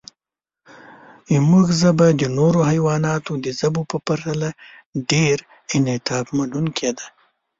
زموږ ژبه د نورو حیواناتو د ژبو په پرتله ډېر انعطافمنونکې ده.